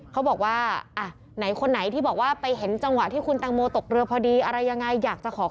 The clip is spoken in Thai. เขาบอกว่าตอนนั้นเนี่ย